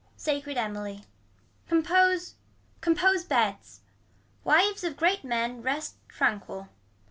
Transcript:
SACRED EMILY Compose compose beds. Wives of great men rest tranquil.